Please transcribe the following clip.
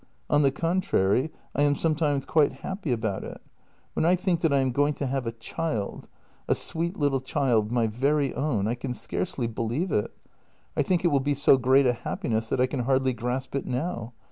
On the contrary, I am sometimes quite happy about it. When I think that I am going to have a child — a sweet little child, my very own — I can scarcely believe it. I think it will be so great a happiness that I can hardly grasp it now.